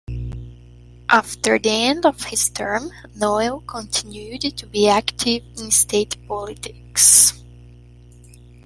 After the end of his term, Noel continued to be active in state politics.